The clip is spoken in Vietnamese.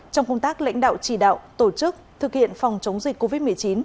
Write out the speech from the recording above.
trong công tác lãnh đạo chỉ đạo tổ chức thực hiện phòng chống dịch covid một mươi chín